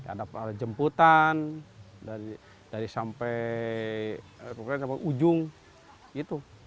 ada jemputan dari sampai ujung gitu